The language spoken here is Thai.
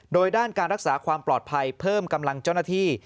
โดยด้านการรักษาความปลอดภัยเพิ่มกำลังเจ้าหน้าที่